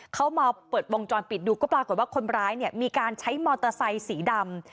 เขามาเปิดวงจรปิดดูก็ปรากฏว่าคนร้ายเนี่ยมีการใช้มอเตอร์ไซค์สีดำ